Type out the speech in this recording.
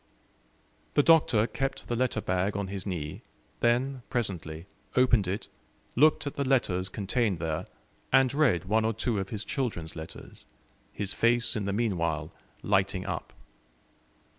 The Doctor kept the letter bag on his knee, then, presently, opened it, looked at the letters contained there, and read one or two of his children's letters, his face in the meanwhile lighting up.